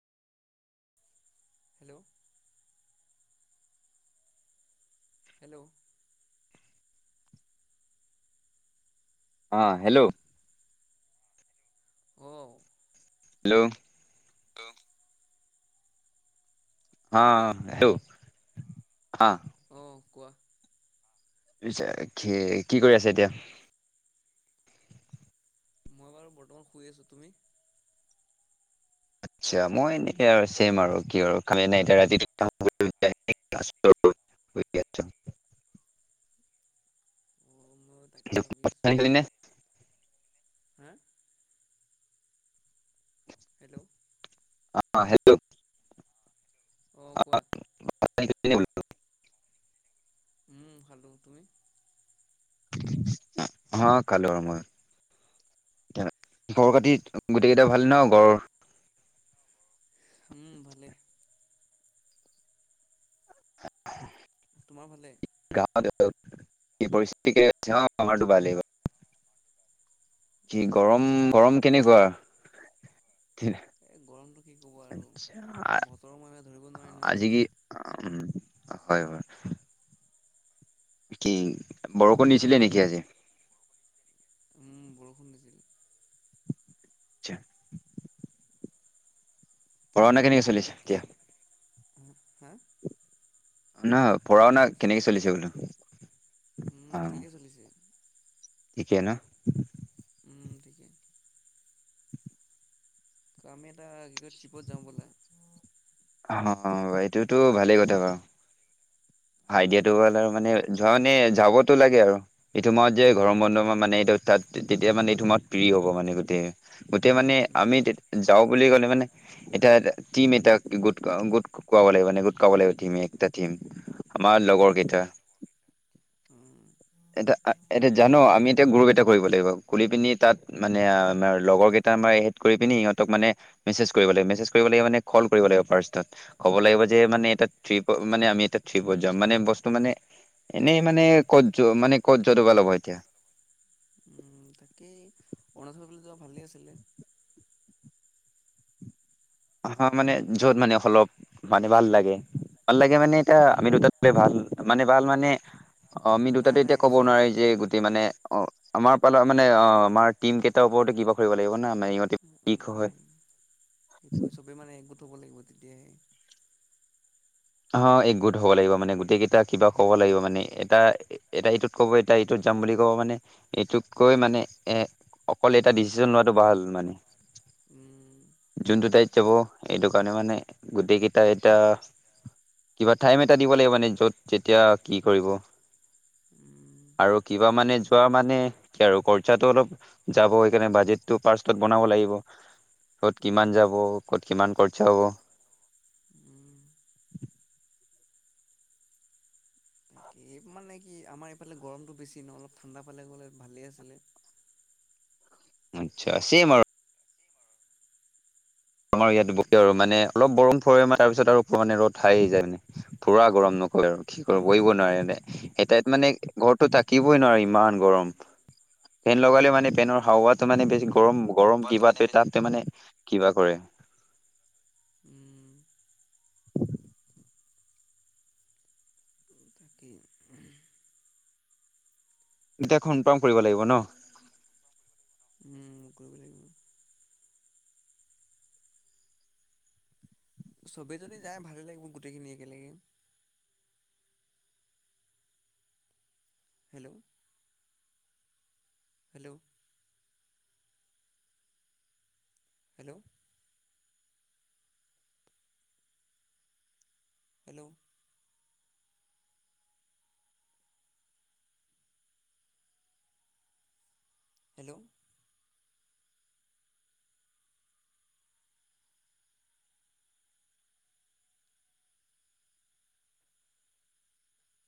Hello? Hello? অ', hello? কওঁ। Hello? Hello অ', অ', হেল্ল'। অ' অঁ'কোৱা? পিছে খে, কি কৰি আছে এতিয়া? মই বাৰু বৰ্তমান শুই আছোঁ, তুমি? আচছা, মই এনে আৰু ছেম আৰু কি আৰু খালি [unintelligible] অ', মই তাক। [unintelligible] ভাত পানী খালী নে? হা? হেল্ল'? অ', হেল্ল'? অঁ'কোৱা? [unintelligible] উম' খালোঁ, তুমি? হা খালোঁ আৰু মই। খবৰ খাটি, গোটেইকেইটা ভাল ন' ঘৰৰ? উম' ভালে। [unintelligible] তোমাৰ ভালে? গাঁৱত ধৰ, কি পৰিস্থিতি [unintelligible] কি উম' গৰম এ গৰম গাওঁ কেনেকুৱা পৰিচিত। এ গৰমটো কি ক'ব আৰু, বতৰৰ মহিমা ধৰিব নোৱাৰি নহয় আজি এতিয়া। কি হয়, হয়। কি, বৰষূণ দিছিলে নেকি আজি? উম' বৰষুণ দিছিল। যা। পঢ়া শুনা কেনে বাকী, হা, হা। নহয়, পঢ়াওনা কেনেকে চলিছে বোলো? অ উম' ঠিকে চলিছে। ঠিকে ন'। উম' ঠিকে। আমি এটা কি কয়, ট্ৰিপত যাওঁ বলা? অ' অ' এইটোতো ভালেই কথা বাৰু। আইডিয়াটো হ'লে আৰু মানে ধৰা মানে যাবতো লাগে আৰু। এইটো সময়ত যে গৰম বন্ধ মানে, এইটোত তাত তেতিয়া মানে এইটো সময়ত প্ৰিয় হ'ব মানে গোটেই। গোটেই মানে আমি উম তে যাওঁ বুলি ক'লে মানে এতিয়া টিম এটা গোট গোট খোৱাব লাগিব মানে গোট খোৱাব লাগিব একটা টিম আমাৰ লগৰ উম, কেইটা উম এতিয়া এতিয়া জানো আমি এতিয়া গ্ৰুপ এটা কৰিব লাগিব খুলি কিনি তাত মানে আমাৰ লগৰ কেইটা আমাৰ এড কৰি কিনি সিহঁতক মানে মেছেজ কৰিব লাগিব মেছেজ কৰিব লাগিব মানে কল কৰিব লাগিব ফাৰ্ষ্টত ক'ব লাগিব যে মানে উম। এটা ট্ৰিপত মানে আমি এটা ট্ৰিপত যাম মানে বস্তু মানে এনেই মানে ক'ত যো মানে ক'ত ভাল হ'ব এতিয়া উম তাকেই অৰুণাচল [unintelligible] ভালেই আছিলে আ হা মানে য'ত মানে অলপ মানে ভাল লাগে ভাল লাগে মানে এটা আমি দুটাতকে ভাল মানে ভাল মানে অ আমি নাই দুটাতো নাই এতিয়া ক'ব চোৱা নোৱাৰি যে গোট টে মানে অ আমাৰ পালৰ মানে অ আমাৰ টিম কেইটাৰ ওপৰতো কিবা কৰিব লাগিব না আমাৰ ইহঁত উম সেইটো চবেই মানে একগোট হ'ব লাগিব তেতিয়াহে হঁ এক গোট হ'ব লাগিব মানে গোটেই কেইটা কিবা ক'ব লাগিব মানে এটা এটা ইটোত ক'ব এটা ইটোত যাম বুলি ক'ব মানে এইটোতকৈ উম। মানে এ অকল এটা ডিচিশন লোৱাটো ভাল মানে উম জোনটো ঠাইত যাব এইটো কাৰণে মানে গোটেই কেইটা এটা কিবা টাইম এটা দিব লাগিব মানে য'ত যেতিয়া কি কৰিব উম আৰু কিবা মানে যোৱা মানে কি আৰু খৰচাটো অলপ যাব সেইকাৰণে বাজেটটো ফাৰ্ষ্টত বনাব লাগিব ক'ত কিমান উম, যাব ক'ত কিমান খৰচা হ'ব উম তাকে এই মানে কি আমাৰ এইফালে গৰমটো বেছি নহ'লে ঠাণ্ডা ফালে গ'লে ভালেই আছিলে আচ্ছা চেম আৰু আমাৰ অঁ ইয়াত ব আৰু মানে অলপ গৰম পৰে মানে তাৰপিছত আৰু মানে ৰ'দ আহি যায় মানে পুৰা গৰম ন হয় আৰু কি কৰ কৰিব এতিয়া নোৱাৰে এ তাত মানে ঘৰতো থাকিবই উম নোৱাৰে ইমান গৰম ফেন লগালে মানে ফেনৰ হাৱাটো মানে বেছি গৰম গৰম কিবাটোৱে তাত তাৰমানে কিবা কৰে উম তাকে এতিয়া [unintelligible] কৰিব লাগিব ন উম কৰিব লাগিব চবেই যদি যায় ভালে লাগিব গোটেইখিনি একেলগে hello hello hello hello hello